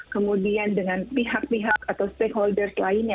kemudian dengan pihak pihak atau stakeholders lainnya